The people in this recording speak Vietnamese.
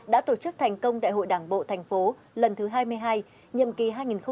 đã tổ chức thành công đại hội đảng bộ thành phố lần thứ hai mươi hai nhiệm kỳ hai nghìn hai mươi hai nghìn hai mươi năm